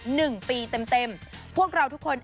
หนึ่งปีเต็มเต็มพวกเราทุกคน